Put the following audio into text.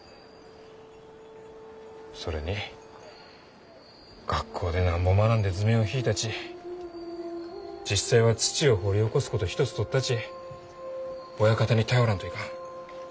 それに学校でなんぼ学んで図面を引いたち実際は土を掘り起こすこと一つとったち親方に頼らんといかん。